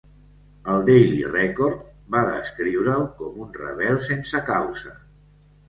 El Daily Record va descriure'l com "un rebel sense causa".